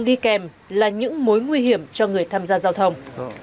đi kèm là những mối nguy hiểm cho người tham gia giao thông